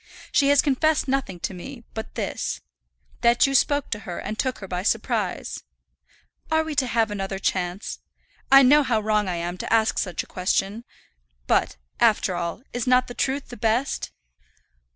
She has confessed nothing to me but this, that you spoke to her and took her by surprise. Are we to have another chance? I know how wrong I am to ask such a question. But, after all, is not the truth the best?"